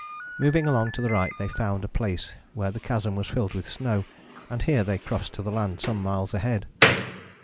Moving along to the right they found a place where the chasm was filled with snow, and here they crossed to the land some miles ahead.